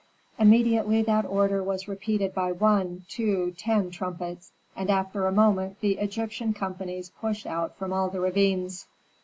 Immediately that order was repeated by one, two, ten trumpets, and after a moment the Egyptian companies pushed out from all the ravines.